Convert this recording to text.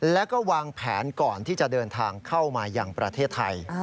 แล้วก็วางแผนก่อนที่จะเดินทางเข้ามายังประเทศไทย